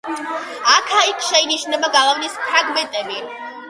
აქა-იქ შეინიშნება გალავნის ფრაგმენტები.